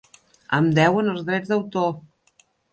Em deuen els drets d'autor.